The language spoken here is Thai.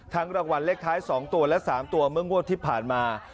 ทั้งรางวัลเลขท้ายสองตัวและสามตัวเมื่องวดที่ผ่านมา